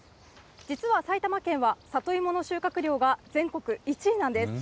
実は埼玉県は、里芋の収穫量が全国１位なんです。